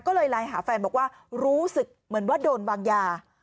ก็เลยไลน์หาแฟนบอกว่ารู้สึกเหมือนว่าโดนวางยา